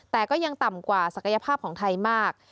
แต่ก็ยังต่ำกว่าศักยภาพของไทยมาก